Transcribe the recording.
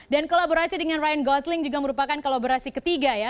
dan kolaborasi dengan ryan gosling juga merupakan kolaborasi ketiga ya